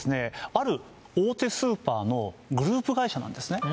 ある大手スーパーのグループ会社なんですね